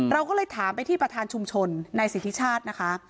เราก็เลยถามไปที่ประธานชุมชนในสิทธิชาตินะคะ